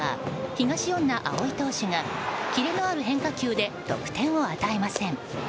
東恩納蒼投手がキレのある変化球で得点を与えません。